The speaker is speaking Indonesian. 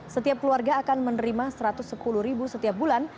setiap keluarga akan menerima rp satu ratus sepuluh ribu setiap bulan